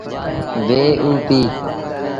وي او پيٚ۔